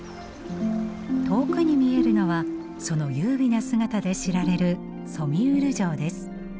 遠くに見えるのはその優美な姿で知られるソミュール城です。